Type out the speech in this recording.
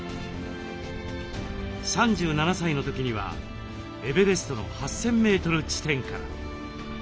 ３７歳の時にはエベレストの８，０００メートル地点から。